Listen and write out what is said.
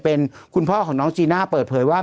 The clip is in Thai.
เป็นคุณพ่อของน้องจีน่าเปิดเผยว่า